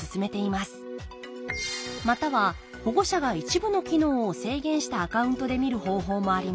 または保護者が一部の機能を制限したアカウントで見る方法もあります